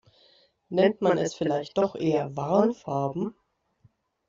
Nennt man es vielleicht doch eher Warnfarben?